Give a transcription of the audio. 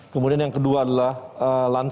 kemudian yang kedua adalah lansia